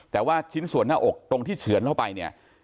แต่ว่าชิ้นส่วนหน้าอกตรงที่เฉือนเข้าไปเนี่ย